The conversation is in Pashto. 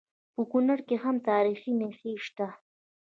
په کونړ کې هم تاریخي نښې شته